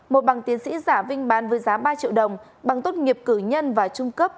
một bằng tiến sĩ giả vinh bán với giá ba triệu đồng bằng tốt nghiệp cử nhân và trung cấp